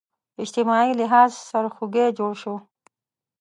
اجتماعي لحاظ سرخوږی جوړ شو